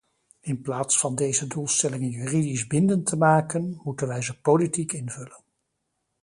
In plaats van deze doelstellingen juridisch bindend te maken, moeten wij ze politiek invullen.